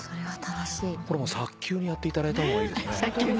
これもう早急にやっていただいた方がいいですね。